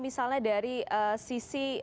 misalnya dari sisi